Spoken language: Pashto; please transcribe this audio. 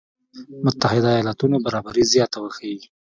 متحده ایالاتو برابري زياته وښيي.